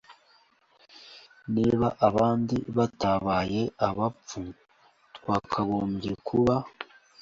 Niba abandi batabaye abapfu twakagombye kuba